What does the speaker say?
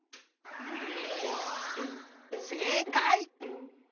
せいかい！